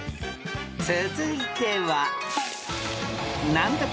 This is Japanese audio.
［続いては］